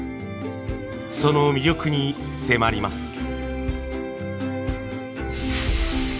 その魅力に迫ります。